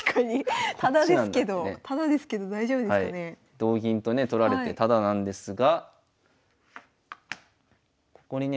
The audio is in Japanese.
同銀とね取られてタダなんですがここにね